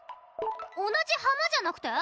同じ浜じゃなくて？